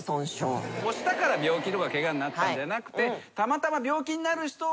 推したから病気とかケガになったんじゃなくて。